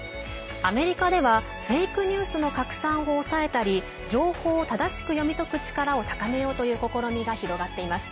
アメリカではフェイク・ニュースの拡散を抑えたり情報を正しく読み解く力を高めようという試みが広がっています。